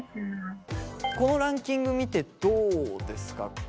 このランキング見てどうですか？